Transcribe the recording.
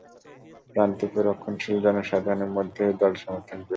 প্রান্তিক ও রক্ষণশীল জনসাধারণের মধ্যে এই দল সমর্থন করেছিল।